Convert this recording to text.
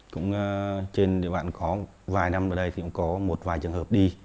cũng trên địa bàn có vài năm ở đây thì cũng có một vài trường hợp đi